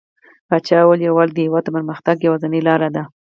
پاچا وويل: يووالى د هيواد د پرمختګ يوازينۍ لاره ده .